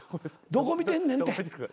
どこ見てんねんって。